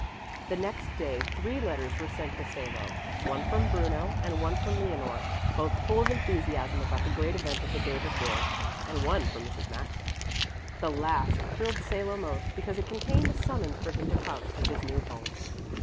The next day three letters were sent to Salo, one from Bruno and one from Leonore, both full of enthusiasm about the great event of the day before; and one from Mrs. Maxa. The last thrilled Salo most, because it contained a summons for him to come to his new home.